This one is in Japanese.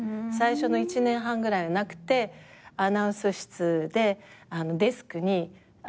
最初の１年半ぐらいはなくてアナウンス室でデスクに。